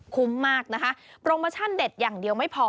คุ้มมากนะคะโปรโมชั่นเด็ดอย่างเดียวไม่พอ